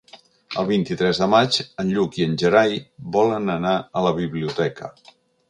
El vint-i-tres de maig en Lluc i en Gerai volen anar a la biblioteca.